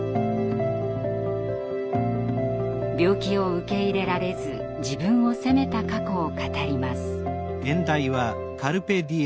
病気を受け入れられず自分を責めた過去を語ります。